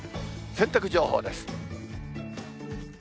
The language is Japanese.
洗濯情報です。